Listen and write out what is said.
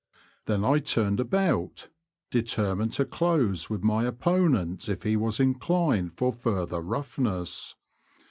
Then I turned about, determined to close with my opponent if he was inclined for further rough ness.